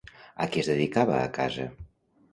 A què es dedicava a casa?